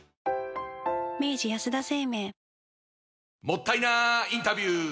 もったいなインタビュー！